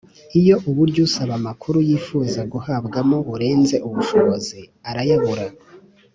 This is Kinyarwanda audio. Iyo uburyo usaba amakuru yifuza kuyahabwamo burenze ubushobozi arayabura